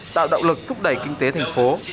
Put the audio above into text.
tạo động lực thúc đẩy kinh tế thành phố